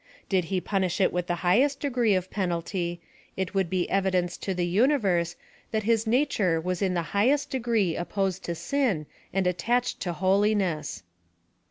Did 106 PHILCSOPHY OP THE he ])unish it with the highest degree of peridlty, it would be evidence to the universe that his nature was ir the high<ist degree opposed to sin and at tached to noliness.